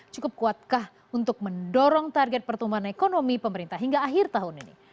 cukup kuatkah untuk mendorong target pertumbuhan ekonomi pemerintah hingga akhir tahun ini